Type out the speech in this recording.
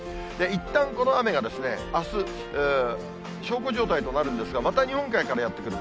いったんこの雨があす、小康状態となるんですが、また日本海からやって来る。